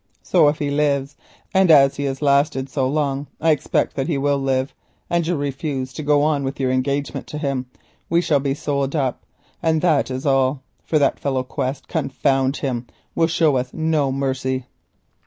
So if he lives—and as he has lasted so long I expect that he will live—and you refuse to go on with your engagement to him we shall be sold up, that is all; for this man Quest, confound him, will show us no mercy."